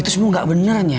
itu semua gak bener nya